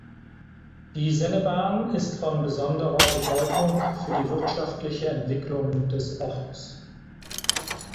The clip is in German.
Die Senne-Bahn ist von besonderer Bedeutung für die wirtschaftliche Entwicklung des Ortes.